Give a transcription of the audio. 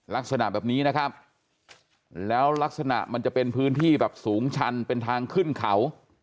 ลักษณะแบบนี้นะครับแล้วลักษณะมันจะเป็นพื้นที่แบบสูงชันเป็นทางขึ้นเขา